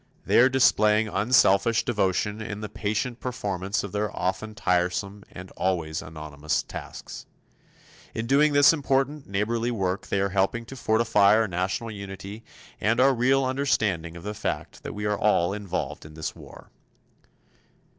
They are displaying unselfish devotion in the patient performance of their often tiresome and always anonymous tasks. In doing this important neighborly work they are helping to fortify our national unity and our real understanding of the fact that we are all involved in this war.